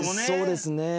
そうですね。